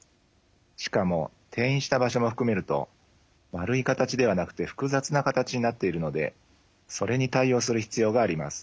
しかも転移した場所も含めると丸い形ではなくて複雑な形になっているのでそれに対応する必要があります。